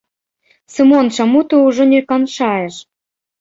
Сымон, чаму ты ўжо не канчаеш?